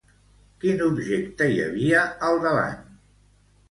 Quin objecte hi havia al davant?